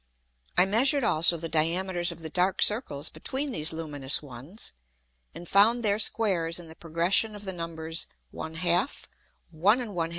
I measured also the Diameters of the dark Circles between these luminous ones, and found their Squares in the progression of the numbers 1/2, 1 1/2, 2 1/2, 3 1/2, &c.